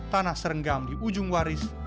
tanah serenggam di ujung waris